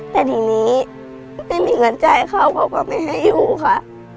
แต่ทีนี้ไม่มีเงินจ่ายเข้าเขาก็ไม่ให้อยู่ค่ะ